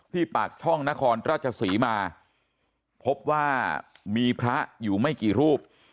ปากช่องนครราชศรีมาพบว่ามีพระอยู่ไม่กี่รูป